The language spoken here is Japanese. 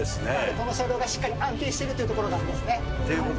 この車両がしっかり安定してということですね。